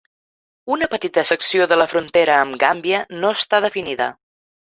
Una petita secció de la frontera amb Gàmbia no està definida.